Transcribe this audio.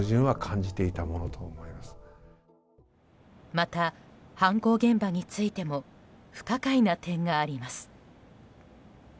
また、犯行現場についても不可解な点があります。